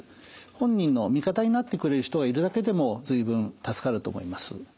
本人の味方になってくれる人がいるだけでも随分助かると思います。